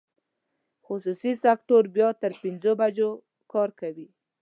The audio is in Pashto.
خصوصي سکټور بیا تر پنځو بجو کار کوي.